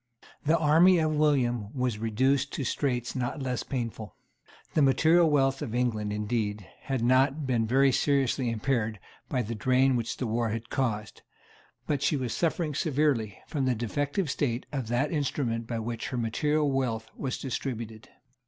The army of William was reduced to straits not less painful. The material wealth of England, indeed, had not been very seriously impaired by the drain which the war had caused; but she was suffering severely from the defective state of that instrument by which her material wealth was distributed.